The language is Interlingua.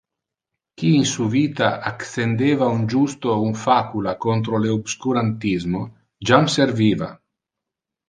Qui in su vita accendeva un justo un facula contra le obscurantismo, jam serviva.